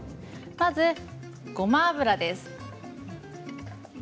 まず、ごま油です。